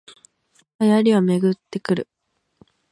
流行りはめぐってくる